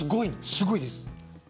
すごいです。